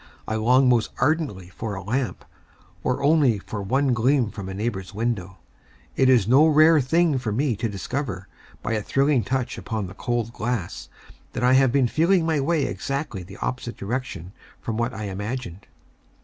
I long most ardently for a lamp, or only for one gleam from a neighbor's window. It is no rare thing for me to discover, by a thrilling touch upon the cold glass, that I have been feeling my way exactly in the opposite direction from what I imagined.